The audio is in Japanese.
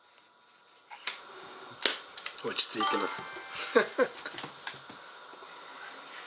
落ち着いてます。